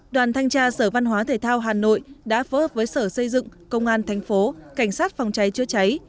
đoàn thanh tra sở văn hóa thể thao hà nội đã phối hợp với sở xây dựng công an thành phố cảnh sát phòng cháy chữa cháy